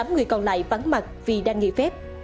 tám người còn lại vắng mặt vì đăng nghị phép